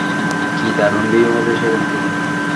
কী দারুণ ভিউ হবে সেখান থেকে!